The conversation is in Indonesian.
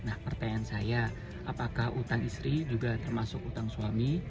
nah pertanyaan saya apakah utang istri juga termasuk utang suami